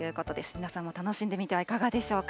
皆さんも楽しんでみてはいかがでしょうか。